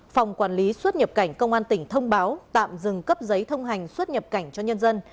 phòng quản lý xuất nhập cảnh công an tỉnh thông báo tạm dừng cấp giấy thông hành xuất nhập cảnh cho nhân dân